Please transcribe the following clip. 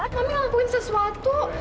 mami ngelakuin sesuatu